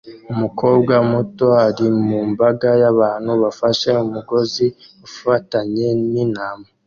Umukobwa muto ari mu mbaga y'abantu bafashe umugozi ufatanye n'intama